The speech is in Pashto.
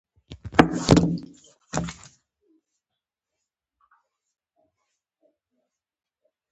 زموږ نړۍ له ماتو وعدو ډکه ده. خلک په خلکو باور نه کوي.